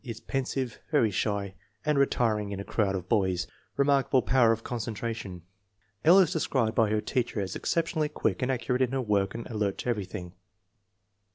Is pensive, very shy, and retiring in a crowd of boys. Remarkable power of concentration. L. is described by her teacher as exceptionally quick and accurate in her work and alert to everything.